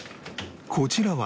こちらは